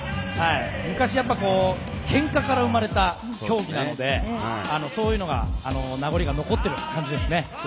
昔、けんかから生まれた競技なので名残が残っている感じですね。